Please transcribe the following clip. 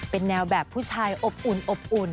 เป็นแนวแบบผู้ชายอบอุ่น